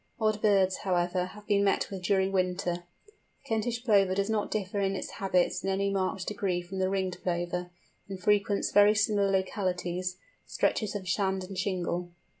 Odd birds, however, have been met with during winter. The Kentish Plover does not differ in its habits in any marked degree from the Ringed Plover, and frequents very similar localities, stretches of sand and shingle.